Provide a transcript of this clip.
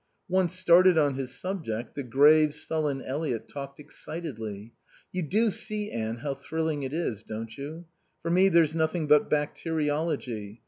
Once started on his subject, the grave, sullen Eliot talked excitedly. "You do see, Anne, how thrilling it is, don't you? For me there's nothing but bacteriology.